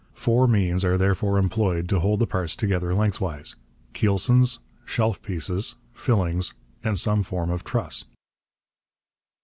Four means are therefore employed to hold the parts together lengthwise keelsons, shelf pieces, fillings, and some form of truss.